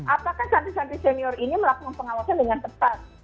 apakah santri santri senior ini melakukan pengawasan dengan tepat